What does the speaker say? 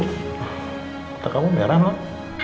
kata kamu merah pak